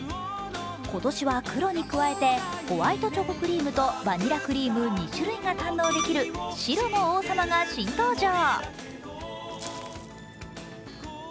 今年は黒に加えてホワイトチョコクリームとバニラクリーム２種類が堪能できる白の王様が新登場。